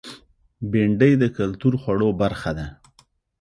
بېنډۍ د کلتور خوړو برخه ده